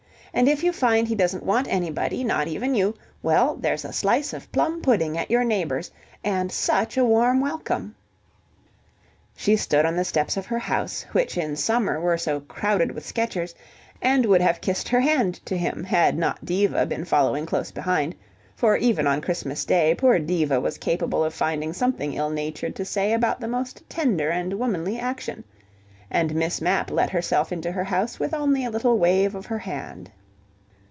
And if you find he doesn't want anybody, not even you, well, there's a slice of plum pudding at your neighbour's, and such a warm welcome." She stood on the steps of her house, which in summer were so crowded with sketchers, and would have kissed her hand to him had not Diva been following close behind, for even on Christmas Day poor Diva was capable of finding something ill natured to say about the most tender and womanly action ... and Miss Mapp let herself into her house with only a little wave of her hand.